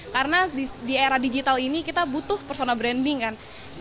karena di era digital ini kita butuh personal branding kan